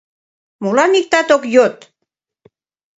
Молан иктат ок йод?